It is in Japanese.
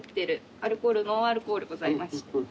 アルコールノンアルコールございます。